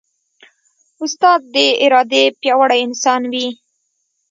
استاد د ارادې پیاوړی انسان وي.